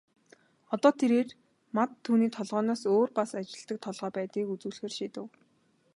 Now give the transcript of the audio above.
Одоо тэрээр Мад түүний толгойноос өөр бас ажилладаг толгой байдгийг үзүүлэхээр шийдэв.